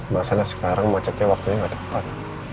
masalah sekarang macetnya waktunya gak tepat